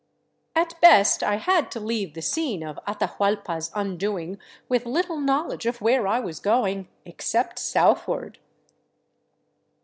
At best I had to leave the scene of Atahuallpa's undoing with little knowledge of where I was going, except southward.